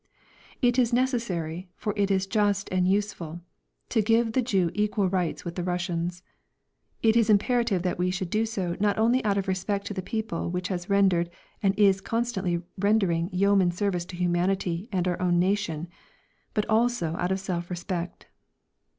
It is necessary, for it is just and useful to give the Jew equal rights with the Russians; it is imperative that we should do so not only out of respect to the people which has rendered and is constantly rendering yeoman service to humanity and our own nation, but also out of self respect.